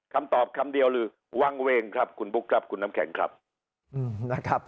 คำตอบคำเดียวหรือวางเวงครับคุณบุ๊คครับคุณน้ำแข็งครับนะครับ